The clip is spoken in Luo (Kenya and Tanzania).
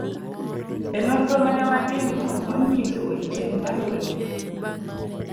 e Nonro ma ne watimo nonyiso weche maluwegi